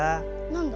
何だ？